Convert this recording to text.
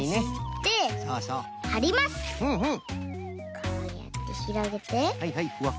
こうやってひろげてペタッと！